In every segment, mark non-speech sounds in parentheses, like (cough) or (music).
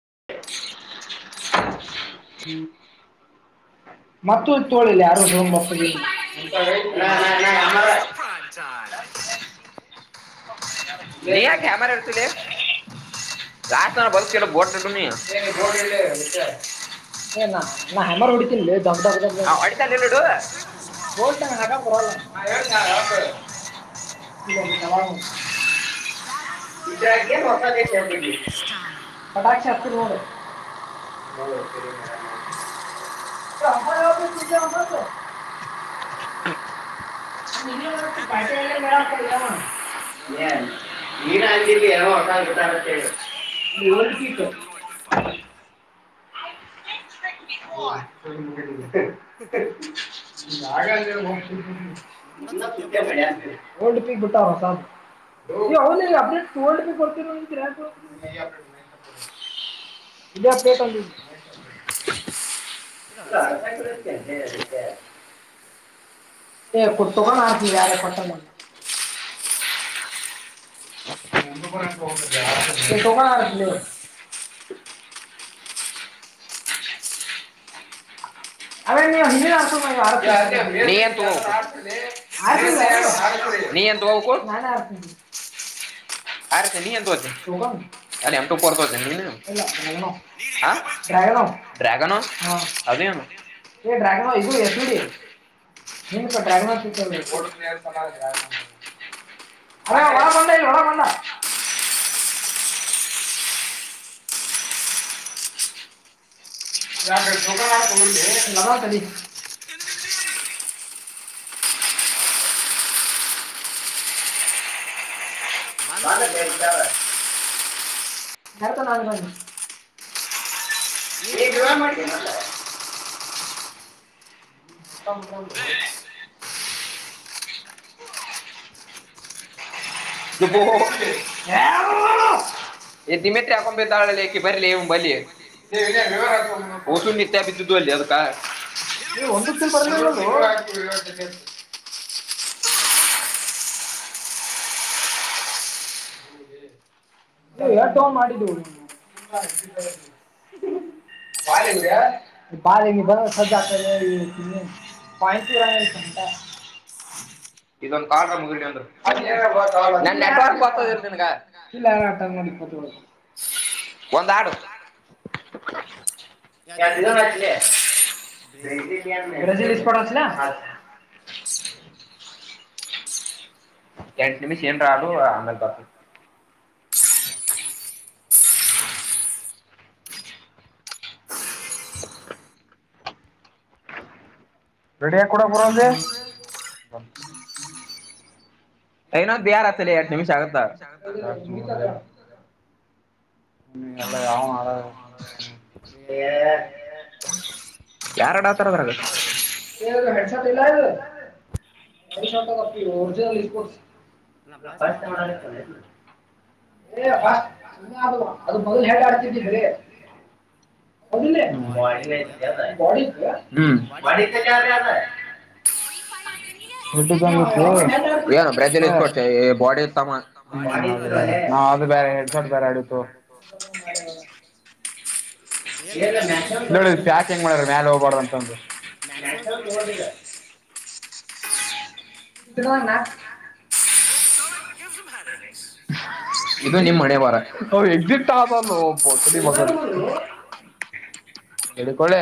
(inaudible) ಹ್ಮ್ (unintelligible) (inaudible) (unintelligible) ನೀಯಾ camera ಎಡ್ತುಲೇ ಲಾಷ್ಟತಾನ (unintelligible) ಬೋಟ್ಟು ನೀ ಏ ನ ನಾ ಹೆಮ್ಮರ್ ಹೊಡಿತೀನ್ ದಗ್ ದಗ್ (unintelligible) (unintelligible) ಪಟಾಕ್ಷ ಹಚ್ತಿನಿ ನೋಡು ಹಾ ಸರಿ ಮಾಗನ (unintelligible) ಅ ಪಟೆ ಎಲ್ಲ (unintelligible) (unintelligible) (unintelligible) ಲ್ಡ್ ಪೀಕ್ ಬಿಟ್ಟ ಹೊಸಕು ಹೌದಲ್ಲ ಅಪ್ಡೇಟ್ ತಗೊಂಡ ಕೊಡ್ತ (unintelligible) ಇದೆ (unintelligible) (unintelligible) ಏ ಕುಟ್ಟು ತೊಗೊ (inaudible) ಯಾರೆ ಕೊಟ್ಟ (unintelligible) ಅದೇ ನೀವು (unintelligible) ನೀ ಎಂತ ಹೋಗಬೇಕು. ಆರಿಷ್ ನೀ ಏನ್ ತೊಗೊತಿ ಎಂ ಟು ಫೋರ್ ತೊಗೊತಿ ಏನ್ ಇಲ್ಲ (unintelligible) ಡ್ರ್ಯಾಗಾನೋ ಡ್ರ್ಯಾಗನೋ ಅದ ಏನು ಡ್ರ್ಯಾಗನೋ ಇದು ಹೆಸುರಿ. ನೀ ಡ್ರ್ಯಾಗಾನೋ (unintelligible) ಅವ ಒಳಗ ಬಂದ ಇಲ್ಲಿ ಒಳಗ ಬಂದಾ. ಯಾಕ ತುಕಾ ಮಾಡಾಕ ಬಂದಿ ಇಲ್ಲಿ ಅದಾವ ತಡಿ. ಬಂದ್ರಲೆ ಎಚ್ ಆರ್ (unintelligible) ನೀ ಧೂಳಾ ಮಾಡ್ತಿ ಮೊದ್ಲ. (inaudible) (unintelligible) ಏ ಟೀಮ್ಎಟ್ ಹಾಕ್ಕೊಂಡ ಬಿದ್ದಾಳ ಇಕಿ ಬರ್ರಿ ಲೆ ಇವನ್ ಬಳ್ಳಿ. ಹೊಸು ನಿತ್ಯ ಬಿದ್ದಿದ್ದು ಅಲ್ಲಿ ಅದಕ್ಕ ಏ ಒಂದುಕ್ಕೆ ಬರಲಿಲ್ಲ ಅಲ್ಲೋ. (inaudible) ಎತ್ತವಾಳ್ ಮಾಡಿದ್ವಿ ಇವನ್. ಬಾ ಇಲ್ಲಿ ಬಾ ಇಲ್ಲಿ ನೀ ಬಂದ್ರ ಸಜ್ಜ ಆಗ್ತೇತಿ (inaudible) (unintelligible) ಇದೊಂದ (unintelligible) ಒಂದ ಆಡು. (unintelligible) (inaudible) ಎಂಟ ನಿಮಿಷ ಏನರ ಆಡು ಆಮ್ಯಾಲ ಬರ್ತೇನಿ. ರೆಡಿಯಾಗಿ ಕೊಡಾಕ್ ಬರಾವ್ ಅದಿ. ಇನ್ನೊಂದ ಬಿಹಾರ್ ಹಚ್ತೇಲೆ ಎಂಟ ನಿಮಿಷ ಆಗತ್ತ. (unintelligible) ಯಾರ್ ಆಡಾತಾರಿ. (unintelligible) ಒರಿಜಿನಲ್ ದಿ ಸ್ಪೋರ್ಟ್ಸ್ ಅಲ್ಲ ಫಸ್ಟ್ ಟೈಮ್ ಆಡಾತಿರಿ ಏನ್. (inaudible) ಏಫಸ್ ಹಂಗ ಅದು ಮೊದ್ಲು ಹೆಂಗ ಆಡ್ತಿದ್ದೀ ಬರೇ. ಅಲ್ಲಲೇ ಬಾಡಿನ ಆಯ್ತಿ ಲೆ ಆದ ಬಾಡಿ ಆಯ್ತಿಯ. (unintelligible) ಯೂಟ್ಯೂಬ್ದಾಗ ನೋಡ್ತೀತಿಯೋ ಏನ (inaudible) ಏ ಬಾಡಿ ಆಯ್ತಿ ತಮ್ಮ. (unintelligible) ಏ ಮ್ಯಾಕ್ಸೆಲ್ ತೊಗೊಂಡಇರ್ತೀನಿ ನಾ ಮ್ಯಾಕ್ಸೆಲ್ ತೊಗೊಲುದ ಈಗ. (unintelligible) ಲೂಸ್ ಮ್ಯರೆಕ್ಸ್. ಇದು ನಿಮ್ ಮನೆೇ ಬಾರ ಎಕ್ಸಿಟ್ ಅದಲ್ಲೋ (unintelligible) ಎದಕ್ಕೋಳೇ.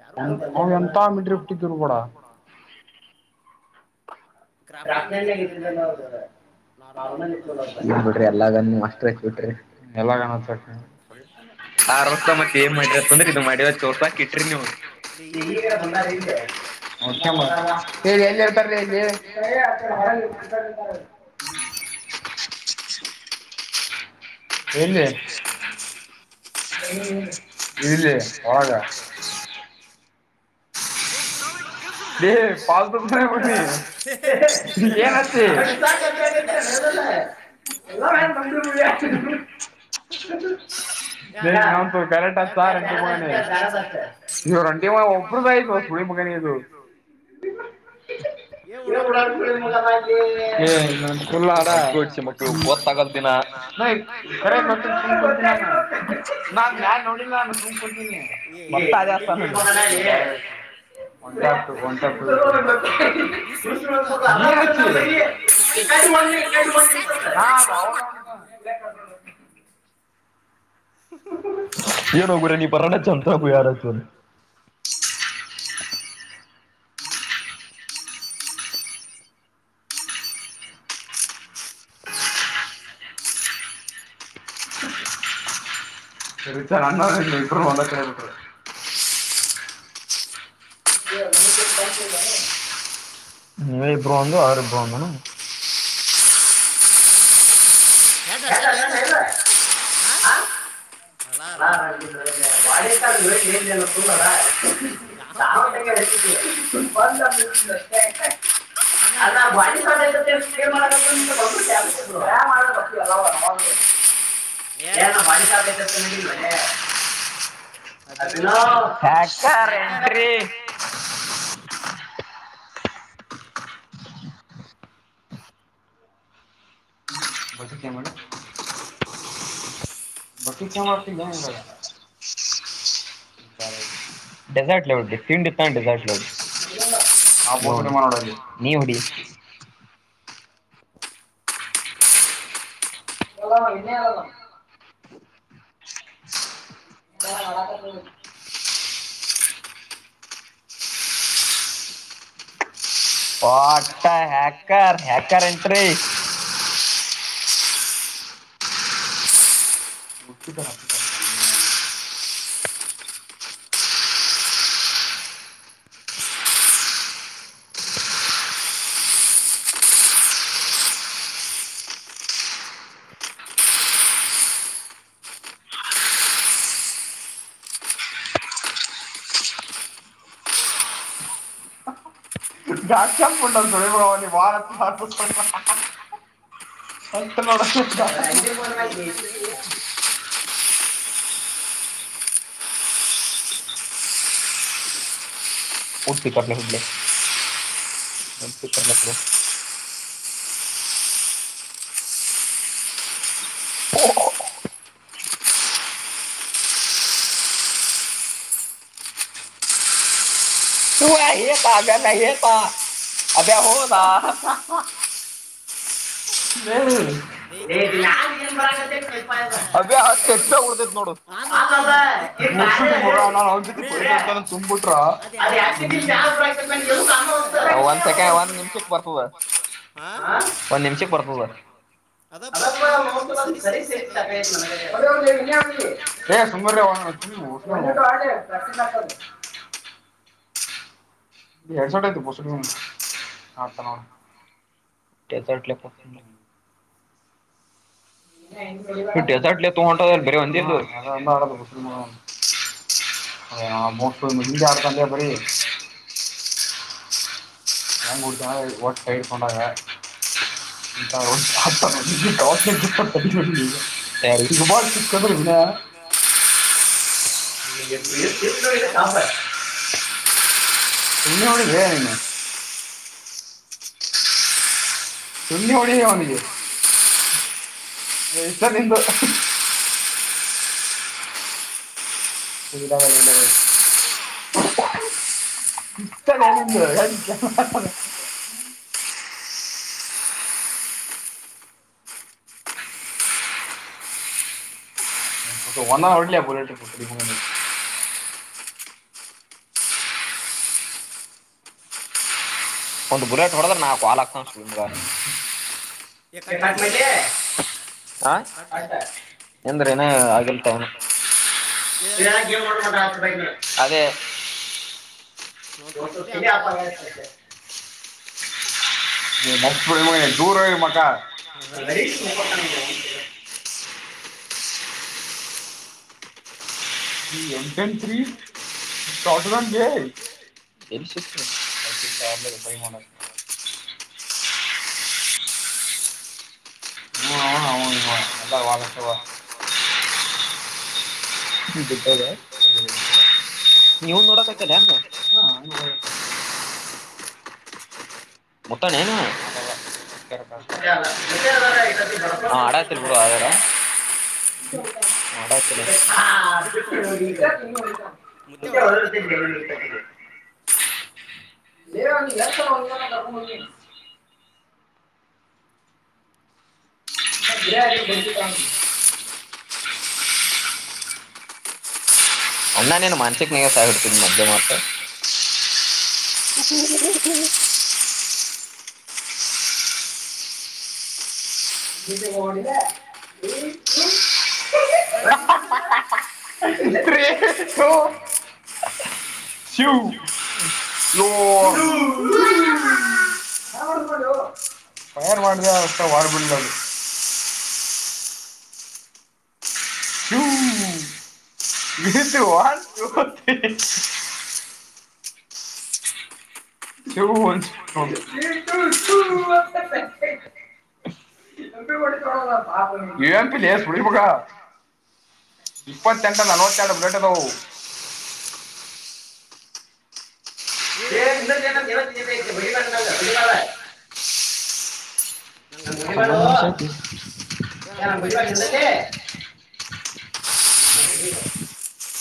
ಯಾರು ಬಂದೇ ಇಲ್ಲ ಅದರಾಗ. ಪ್ರಾತ್ನಗ ಇರುತ್ತಿದ್ರ ಏನೋ ಅವ್ರ. ನಾರ್ಮಲ್ ಇತ್ ನೋಡ ಅದ ಬಿಡ್ರಿ ಎಲ್ಲ ಮಾಸ್ಟರ್ ಆಯ್ತಿ ಬಿಡ್ರಿ (inaudible) ಆರ್ ವರ್ಷ ಮತ್ ಏನ್ ಮಾಡ್ರಿ ಅಂದ್ರೆ ಇದು ಮಾಡಿವ ತೋರ್ಸಾಕ ಇಟ್ರಿ ನೀವು. (unintelligible) ಹೇಳಿ ಎಲ್ಲಿ ಇರತ್ತಾರ ರಿ ಇಲ್ಲಿ. (unintelligible) ಎಲ್ಲಿ. ಇಲ್ಲಿ ಒಳಗ. (unintelligible) ಏ (unintelligible) ಏನ್ ಆತಿ ಎಲ್ಲರೂ (unintelligible) (unintelligible) (inaudible) ಒಬ್ಬರು ಆಯತ (unintelligible) ಮಗಾನ ಇದು (unintelligible) (inaudible) (unintelligible) (inaudible) (unintelligible) (inaudible) (unintelligible) (unintelligible) (inaudible) (inaudible) (inaudible) ಸರಿತ ನನ್ನ ಇರು ಒಂದ ಕೇಳ ಬಿಡ (unintelligible) ಹು ನೀವೇ ಇಬ್ಬರೂ ಒಂದು ಅವರೇ ಇಬ್ರು ವಂದನ (unintelligible) ಹಾ (unintelligible) (unintelligible) (unintelligible) (inaudible) (unintelligible) (unintelligible) (inaudible) (unintelligible) ಬಗೀಚಾ ಮಾಡತತಿ ಜಲ್ಲ ರೆಸಾರ್ಟ್ ಲೇಔಟ್ ತಿಂಡಿ ತ ರೆಸಾರ್ಟ್ ಲೇಔಟ್ ನೀ ಹೊಡಿ ಎಲ್ಲಾಮ ಇನ್ನೇ ಎಲ್ಲಲ್ಲ (unintelligible) ವಾಟ್ ಹ್ಯಾಕರ್ ಹ್ಯಾಕರ್ ಎಂಟ್ರಿ (unintelligible) (unintelligible) (unintelligible) ಬುಟ್ಟಿಗಟ್ಟಲೆ ಹೊಡ್ಲೇ (unintelligible) (unintelligible) ಅದ ಹೋದಾ (inaudible) (unintelligible) (unintelligible) ಒಂದು ನಿಮಿಷಕ್ಕೆ ಬರ್ತದ ಒಂದ್ ನಿಮಿಷಕ್ಕೆ ಬರ್ತದ ಅದಪ್ಪ (unintelligible) ಸಹಿಸಿ ಸಹಿಸಿ ಸಾಕಾಗಿತ್ತ ನನಗೆ (unintelligible) ಹೇ ಸುಮ್ನಿರಲೇ (unintelligible) (unintelligible) (unintelligible) (unintelligible) (inaudible) (unintelligible) ನಂಗ್ ಕುತ ಓಟ್ ಸೈಡ್ ಸೊಂಡಾಗ (unintelligible) (unintelligible) (unintelligible) ತು್ಣಿ ಹೊಡಿ ಅವನಿಗೆ ಎಷ್ಟ ನಿಂದು ಇದ ಇಷ್ಟನೆ ನಿ ಒಂದ ನ ಅಡ್ಯಾ ಒಂದ್ ಬುಲೆಟ್ ಹೊಡದ್ರ ನಾ ಕಾಲ್ ಆಾಕ್ತನ ಸುಳ್ಮಗ ಹ ಎಂದ್ರ ಏನ ಆಗಲ್ತ ಏನ ಇ ಅದೇ ಹ ಕೆಲಿ ಆಾಗ (unintelligible) (inaudible) (unintelligible) ಗ ಸಿಕ್ತ ನ ಆ ಬ ಮ ಮ ಅವನು ಅವನು ನಲ್ಲಾ ವಳಸ ಹ ನೀವು ನೋಡಕತರ ಅಂತ ಹ ಮತ್ತಾನ ಏನು ಹ ಅಡಾ ತಿ ಬಿಡ ಆದರ ನಡ ಮುೆ ಒಳ್ಳ ಹವ ಹ ಬ ಅ್ಣ ನೀನು ಮಾನಸಿಕನವಾಸಾಯ ಹಿಡ್ತಿದ್ದ್ ಮಧ್ಯೆ ಮಾತ ಹ್ಮ್್ಮ ಹ್ಮ ಇಡಿ ತ ಸಿವು ನ ಫಯರ್ ಮಾಡ್ದ ಅಷ್ಟ ವಾರ್ ಬಿಡ್ ಹ್ಮ ಬಿ ಒಟುತ್ತ ಶ ಎ ನೀ ಎಂಪಿಡಿಬೇಕಗ ಇಪ್ಪತ್ತೆಂಟಲ್ಲ ನೂತ್ತೆಂಟ ಬಟದೋ ಇ್ರ ಜ ಗವ ಬಡಿ ಅಂಓಊ ನ್ ಅಂಬಡಿ ಬದಲ್ಲೇ ಅ